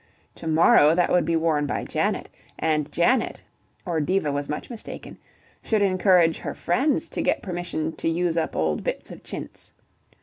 To morrow that would be worn by Janet, and Janet (or Diva was much mistaken) should encourage her friends to get permission to use up old bits of chintz.